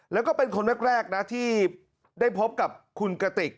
แล้วก็เป็นคนแรกนะที่ได้พบกับคุณกติก